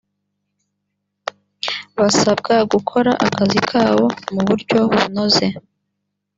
basabwa gukora akazi kabo mu buryo bunoze